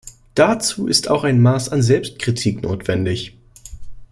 Dazu ist auch ein Maß an Selbstkritik notwendig.